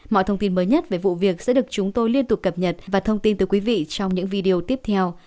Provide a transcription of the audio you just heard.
mọi thông tin mới nhất về vụ việc sẽ được chúng tôi liên tục cập nhật và thông tin từ quý vị trong những video tiếp theo